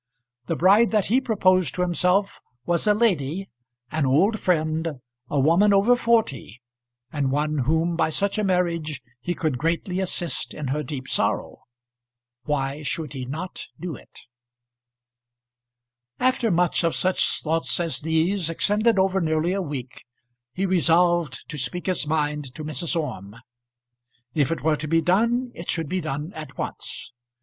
The bride that he proposed to himself was a lady, an old friend, a woman over forty, and one whom by such a marriage he could greatly assist in her deep sorrow. Why should he not do it? After much of such thoughts as these, extended over nearly a week, he resolved to speak his mind to Mrs. Orme. If it were to be done it should be done at once.